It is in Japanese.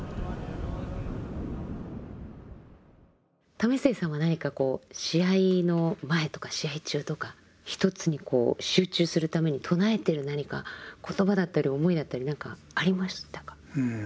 為末さんは何かこう試合の前とか試合中とか一つに集中するために唱えてる何か言葉だったり思いだったり何かありましたか？